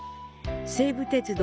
西武鉄道